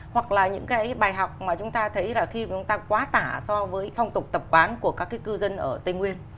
hoặc là những cái bài học mà chúng ta thấy là khi chúng ta quá tả so với phong tục tập quán của các cái cư dân ở tây nguyên